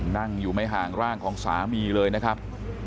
นั่งอยู่ไม่ห่างร่างของสามีเลยนะครับ